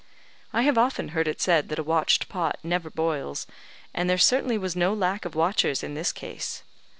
I have often heard it said that a watched pot never boils; and there certainly was no lack of watchers in this case.